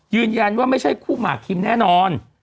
ยืนยันว่าไม่ใช่คู่หมากคริมแน่นอน